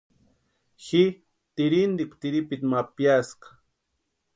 Ji tirhintikwa tiripiti ma piaaska.